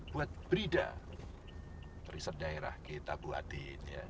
buat berida riset daerah kita buatin ya